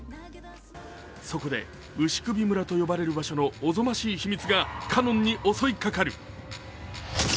そこで牛首村と呼ばれる場所のおぞましい秘密が奏音に襲いかかる。